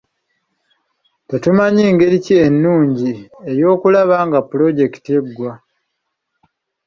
Tetumanyi ngeri ki ennungi ey'okulaba nga pulojekiti eggwa.